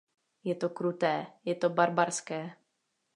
Je to kruté; je to barbarské.